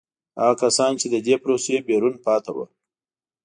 هغه کسان چې له دې پروسې بیرون پاتې وو.